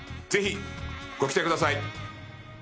ぜひご期待ください！